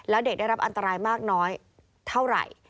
แล้วเด็กได้รับอันตรายมากน้อยเท่าไหร่